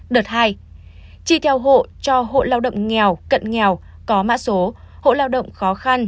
đợt hai chi theo hộ cho hộ lao động nghèo cận nghèo có mã số hộ lao động khó khăn